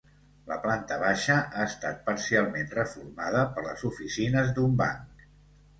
La planta baixa ha estat parcialment reformada per les oficines d'un banc.